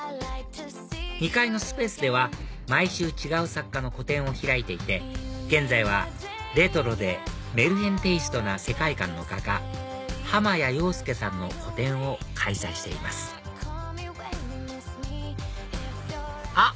２階のスペースでは毎週違う作家の個展を開いていて現在はレトロでメルヘンテイストな世界観の画家濱谷陽祐さんの個展を開催していますあっ！